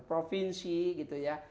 jalan provinsi gitu ya